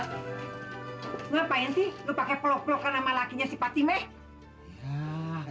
ngapain sih lu pakai peluk pelukan sama lakinya si patimeh